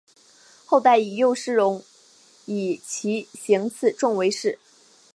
后代以右师戊以其行次仲为氏。